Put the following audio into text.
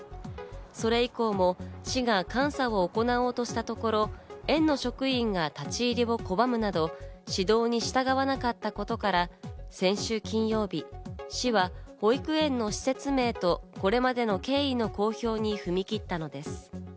それ以降も市が監査を行おうとしたところ、園の職員が立ち入りを拒むなど、指導に従わなかったことから先週金曜日、市は保育園の施設名と、これまでの経緯の公表に踏み切ったのです。